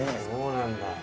そうなんだ。